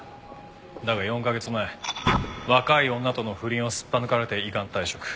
だが４カ月前若い女との不倫をすっぱ抜かれて依願退職。